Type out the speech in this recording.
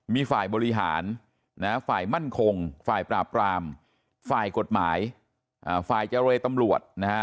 มีฝ่ายบริหารฝ่ายมั่นคงฝ่ายปราบรามฝ่ายกฎหมายฝ่ายเจรตำรวจนะฮะ